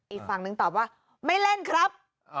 อีกฝั่งนึงตอบว่าไม่เล่นครับ